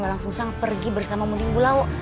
malangsungsang pergi bersama mudin gulau